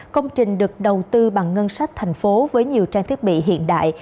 công trình được đầu tư bằng ngân sách thành phố với nhiều trang thiết bị hiện đại